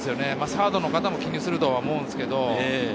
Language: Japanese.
サードの方も気にすると思うんですけれど。